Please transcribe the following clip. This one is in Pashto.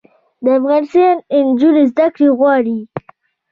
د افغانستان نجونې زده کړې غواړي